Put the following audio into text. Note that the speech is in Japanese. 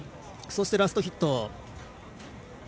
そしてラストヒット。